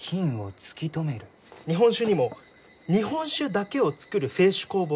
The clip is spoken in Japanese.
日本酒にも日本酒だけを造る清酒酵母がいるのか。